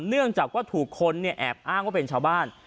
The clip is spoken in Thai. เนื่องจากว่าถูกคนแอบอ้างว่าเป็นชาวบ้าน